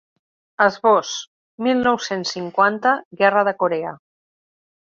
Esbós: mil nou-cents cinquanta, guerra de Corea.